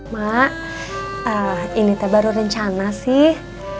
mak ini baru rencana sih